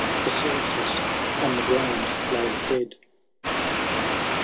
The sorceress on the ground lay dead.